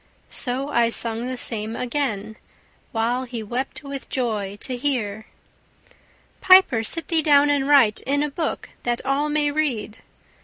So I sung the same again, While he wept with joy to hear. 'Piper, sit thee down and write In a book, that all may read.